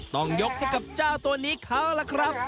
ต้องยกให้กับเจ้าตัวนี้เขาล่ะครับ